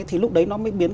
thì lúc đấy nó mới biến